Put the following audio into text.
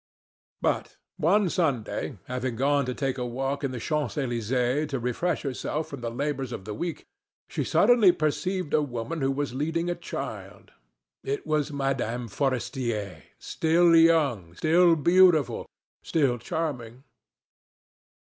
But, one Sunday, having gone to take a walk in the Champs Élysées to refresh herself from the labors of the week, she suddenly perceived a woman who was leading a child. It was Mme. Forestier, still young, still beautiful, still charming.